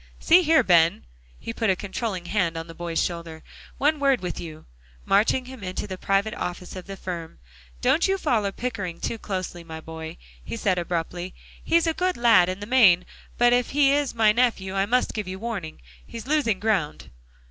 See here, Ben," he put a controlling hand on the boy's shoulder, "one word with you," marching him into the private office of the firm. "Don't you follow Pickering too closely, my boy," he said abruptly; "he's a good lad in the main, but if he is my nephew, I must give you warning. He's losing ground."